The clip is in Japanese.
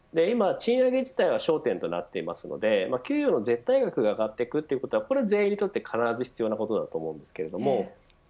今賃上げ自体は焦点となっていますので給与の絶対額が上がっていくことは必ず必要なことです。